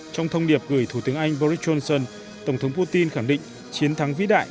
trong thông điệp gửi thủ tướng anh boris johnson tổng thống putin khẳng định chiến thắng vĩ đại